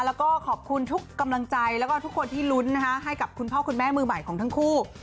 แล้วก็ขอบคุณทุกกำลังใจแล้วก็ทุกคนที่ลุ้นให้กับคุณพ่อคุณแม่มือใหม่ของทั้งคู่